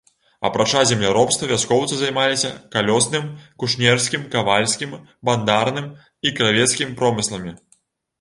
Апрача земляробства вяскоўцы займаліся калёсным, кушнерскім, кавальскім, бандарным і кравецкім промысламі.